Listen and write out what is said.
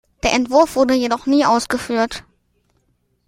Der Entwurf wurde jedoch nie ausgeführt.